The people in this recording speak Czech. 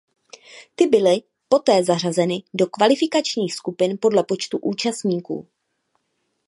Ty byly poté zařazeny do kvalifikačních skupin podle počtu účastníků.